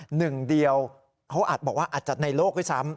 หนึ่งเดียวเขาอาจบอกว่าอาจจะในโลกด้วยซ้ำ